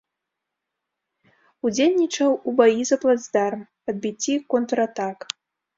Удзельнічаў у баі за плацдарм, адбіцці контратак.